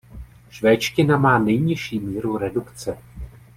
Švédština má nejnižší míru redukce.